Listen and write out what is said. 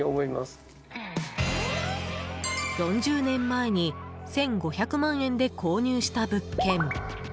４０年前に１５００万円で購入した物件。